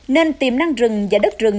nên tiềm năng rừng và đất rừng